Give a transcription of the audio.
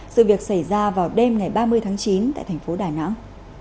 sự việc xảy ra vào đêm ngày ba mươi tháng chín tại thành phố đà nẵng